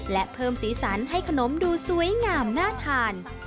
และเพิ่มสีสันให้ขนมดูสวยงามน่าทาน